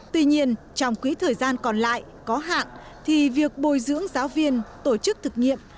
tuy nhiên trong quý thời gian còn lại có hạn thì việc bồi dưỡng giáo viên tổ chức thực nghiệm